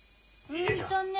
うんとね